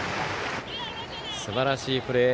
すばらしいプレー。